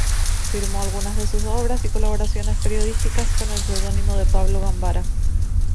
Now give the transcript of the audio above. Firmó algunas de sus obras y colaboraciones periodísticas con el seudónimo de "Pablo Gambara".